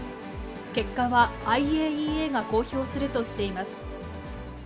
結果はＩＡＥＡが公表するとしています。